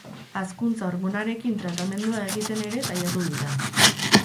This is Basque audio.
Hazkuntza hormonarekin tratamendua egiten ere saiatu dira.